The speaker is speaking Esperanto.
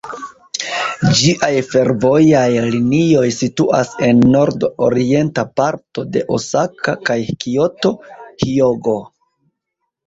Ĝiaj fervojaj linioj situas en nord-orienta parto de Osaka kaj Kioto, Hjogo.